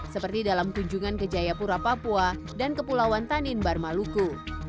seperti dalam kunjungan ke jayapura papua dan kepulauan tanimbar maluku